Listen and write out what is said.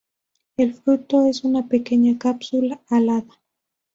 El fruto es una pequeña cápsula alada.